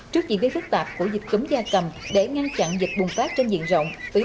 trước dị vi phức tạp của dịch cấm gia cầm để ngăn chặn dịch bùng phát trên diện rộng